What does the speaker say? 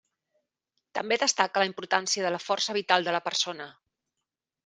També destaca la importància de la força vital de la persona.